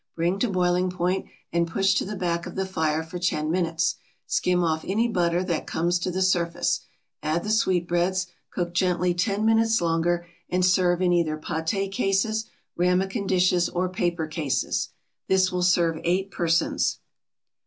Bring to boiling point, and push to the back of the fire for ten minutes. Skim off any butter that comes to the surface, add the sweetbreads, cook gently ten minutes longer, and serve in either paté cases, ramekin dishes, or paper cases. This will serve eight persons.